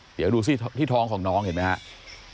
เดี๋ยวดูสิที่ท้องของน้องเห็นไหมครับ